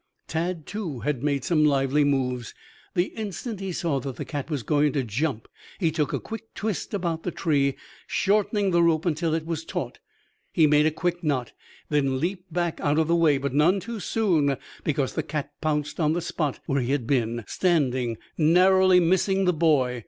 Tad, too, had made some lively moves. The instant he saw that the cat was going to jump he took a quick twist about the tree, shortening the rope until it was taut. He made a quick knot, then leaped back out of the way. But none too soon. The cat pounced on the spot where he had been standing, narrowly missing the boy.